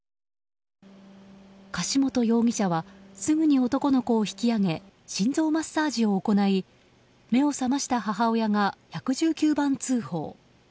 柏本容疑者はすぐに男の子を引き上げ心臓マッサージを行い目を覚ました母親が１１９番通報。